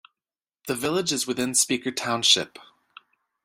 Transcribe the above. The village is within Speaker Township.